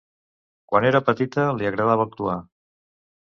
Quan era petita, li agradava actuar.